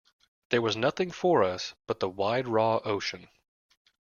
There was nothing for us but the wide raw ocean.